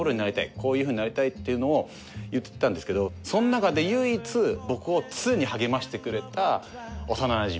こういうふうになりたいっていうのを言ってたんですけどそんなかで唯一僕を常に励ましてくれた幼馴染。